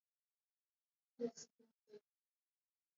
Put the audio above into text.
Arī šī programma ir izmantojama jebkurai nākamajai valdībai.